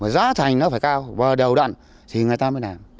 giá thành nó phải cao và đều đặn thì người ta mới làm